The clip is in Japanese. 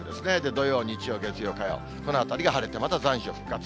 土曜、日曜、月曜、火曜、このあたりが晴れてまた残暑復活。